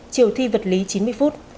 chiều thi vật lý chín mươi phút